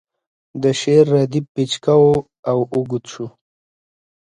د شعر ردیف پیچکه و او اوږد شو